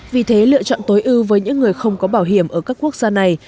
vì thế lựa chọn tối ưu với những người không có bảo hiểm ở các quốc gia này